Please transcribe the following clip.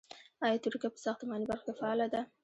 آیا ترکیه په ساختماني برخه کې فعاله ده؟